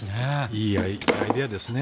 いいアイデアですね。